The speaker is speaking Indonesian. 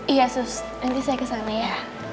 iya sus nanti saya kesana ya